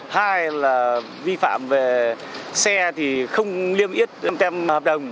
hai là vi phạm về xe thì không liêm yết tem hợp đồng